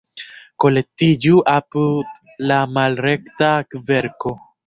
Kolektiĝu apud la malrekta kverko!